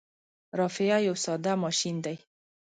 رافعه یو ساده ماشین دی.